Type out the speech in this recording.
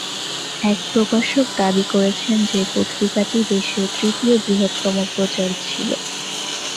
এর প্রকাশক দাবি করেছেন যে, পত্রিকাটি দেশের তৃতীয় বৃহত্তম প্রচার ছিল।